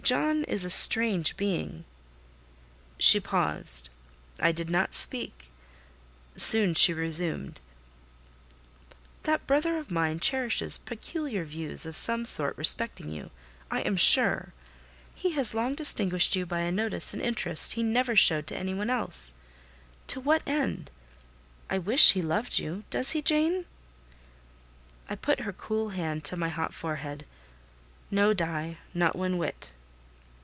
John is a strange being—" She paused—I did not speak: soon she resumed— "That brother of mine cherishes peculiar views of some sort respecting you, I am sure: he has long distinguished you by a notice and interest he never showed to any one else—to what end? I wish he loved you—does he, Jane?" I put her cool hand to my hot forehead; "No, Die, not one whit."